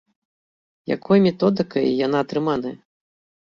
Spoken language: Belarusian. Якой методыкай яна атрыманая?